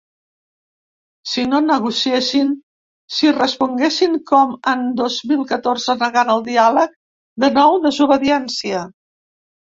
Si no negociessin, si responguessin com en dos mil catorze negant el diàleg, de nou desobediència.